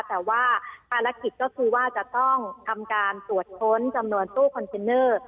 แต่ว่าภารกิจก็คือว่าจะต้องทำการตรวจค้นจำนวนตู้คอนเทนเนอร์